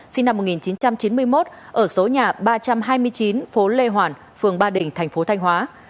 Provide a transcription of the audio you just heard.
sinh năm một nghìn chín trăm chín mươi một ở số nhà ba trăm hai mươi chín phố lê hoàn phường ba đình thành phố thanh hóa